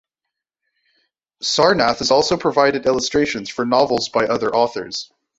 Sarnath has also provided illustrations for novels by other authors.